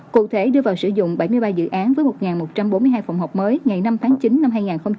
cụ thể đưa vào sử dụng bảy mươi ba dự án với một một trăm bốn mươi hai phòng học mới ngày năm tháng chín năm hai nghìn hai mươi